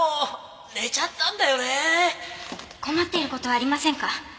困っている事はありませんか？